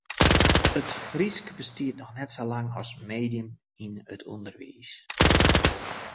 It Frysk bestiet noch net sa lang as medium yn it ûnderwiis.